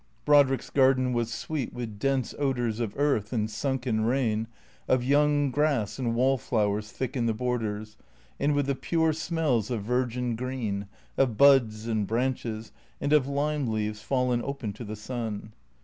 Brodrick's garden was sweet with dense odours of earth and sunken rain, of young grass and wallflowers thick in the borders, and with the pure smells of virgin green, of buds and branches and of lime leaves fallen open to the sun.